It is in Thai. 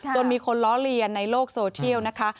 จนมีคนล้อเลียนในโลกโซเทียลนะคะ